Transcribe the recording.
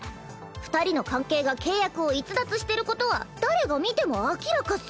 二人の関係が契約を逸脱してることは誰が見ても明らかっス。